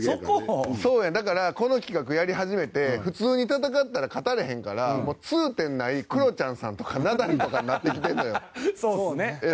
だから、この企画やり始めて普通に戦ったら勝たれへんから痛点がないクロちゃんさんとかナダルとかになってきてるのよ。